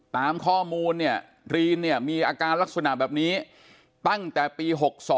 ตามข้อมูลรีนมีอาการลักษณะแบบนี้ตั้งแต่ปี๖๒